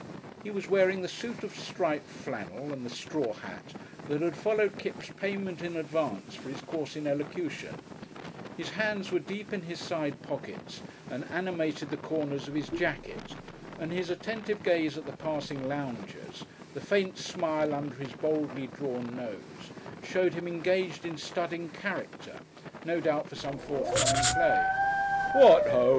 He was wearing the suit of striped flannel and the straw hat that had followed Kipps' payment in advance for his course in elocution, his hands were deep in his side pockets and animated the corners of his jacket, and his attentive gaze at the passing loungers, the faint smile under his boldly drawn nose, showed him engaged in studying character no doubt for some forthcoming play. "What HO!"